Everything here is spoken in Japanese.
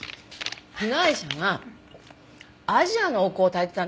被害者がアジアのお香たいてたんだよね？